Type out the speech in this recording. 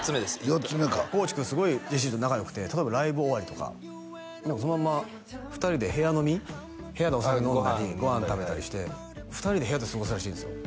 ４つ目か地君すごいジェシーと仲良くて例えばライブ終わりとか何かそのまんま２人で部屋飲み部屋でお酒飲んだりご飯食べたりして２人で部屋で過ごすらしいんですよ